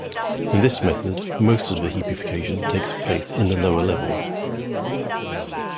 In this method most of the heapification takes place in the lower levels.